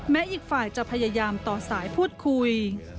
อีกฝ่ายจะพยายามต่อสายพูดคุย